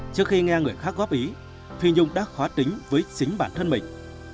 trước khi nghe người khác góp ý phi nhung đã khó tính với chính bản thân mình